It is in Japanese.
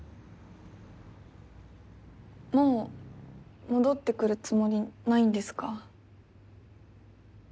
もう戻ってくるつもりないんですか？